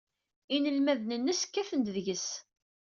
Inelmaden-nnes kkaten-d deg-s.